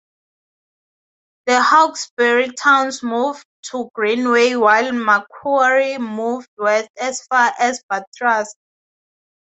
The Hawkesbury towns moved to Greenway while Macquarie moved west as far as Bathurst.